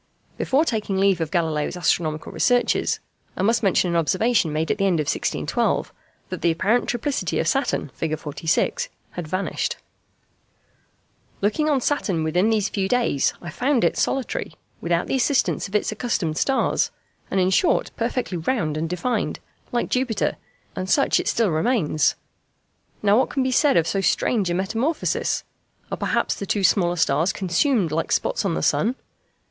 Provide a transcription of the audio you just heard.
Before taking leave of Galileo's astronomical researches, I must mention an observation made at the end of 1612, that the apparent triplicity of Saturn (Fig. 46) had vanished. [Illustration: FIG. 49. A portion of the sun's disk as seen in a powerful modern telescope.] "Looking on Saturn within these few days, I found it solitary, without the assistance of its accustomed stars, and in short perfectly round and defined, like Jupiter, and such it still remains. Now what can be said of so strange a metamorphosis? Are perhaps the two smaller stars consumed like spots on the sun?